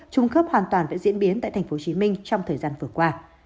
trung cấp hoàn toàn với diễn biến tại tp hcm trong thời gian vừa qua